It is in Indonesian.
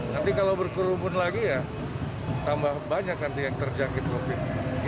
nanti kalau berkerumun lagi ya tambah banyak nanti yang terjangkit covid